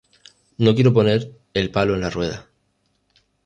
No quiero poner el palo en la rueda.